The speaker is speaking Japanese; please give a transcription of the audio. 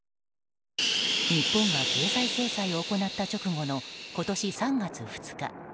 日本が経済制裁を行った直後の今年３月２日。